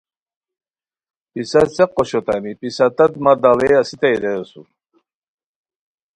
پِسہ څیق اوشوتامی پسہ تت مہ داڑے اسیتائے رے اسور